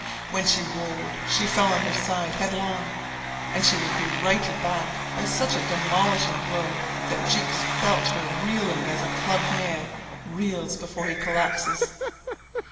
When she rolled she fell on her side headlong, and she would be righted back by such a demolishing blow that Jukes felt her reeling as a clubbed man reels before he collapses.